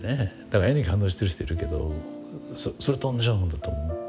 だから絵に感動してる人いるけどそれと同じようなもんだと思う。